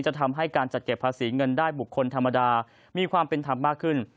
ทำให้การจัดเก็บภาษีเงินได้บุคคลธรรมดามีความเป็นธรรมมากขึ้น